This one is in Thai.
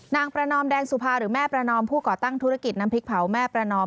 นางประนอมแดงสุภาหรือแม่ประนอมผู้ก่อตั้งธุรกิจน้ำพริกเผาแม่ประนอม